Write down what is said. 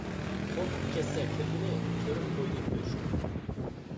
قورقۇپ كەتسە كىرگىلى، كۆرۈپ قويدى تۆشۈكنى.